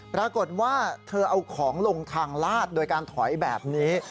ปรากฏว่าเธอเอาของลงทางลาดโดยการถอยแบบนี้